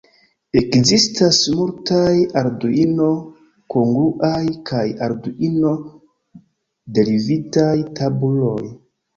Ekzistas multaj Arduino-kongruaj kaj Arduino-derivitaj tabuloj.